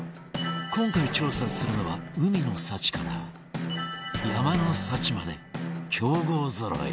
今回調査するのは海の幸から山の幸まで強豪ぞろい